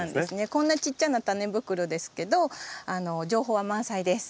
こんなちっちゃなタネ袋ですけど情報は満載です。